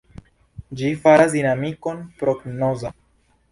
Ĝi faras dinamikon prognoza.